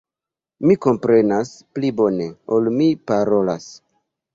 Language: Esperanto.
Mi komprenas pli bone ol mi parolas.